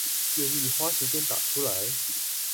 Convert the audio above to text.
願意花時間打出來